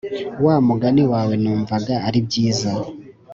wamugani wawe numvaga aribyiza